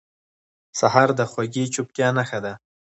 سهار د خوږې چوپتیا نښه ده.